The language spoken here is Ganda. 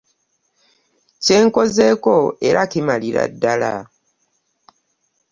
Kye nkozeeko era kimalira ddala.